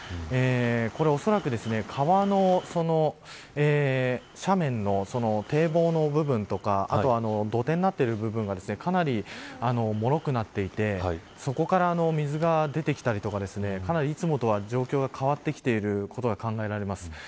これおそらく川の斜面の堤防の部分とかあとは土手になっている部分がかなり、もろくなっていてそこから水が出てきたりとかかなりいつもとは状況が変わってきていることが考えられます。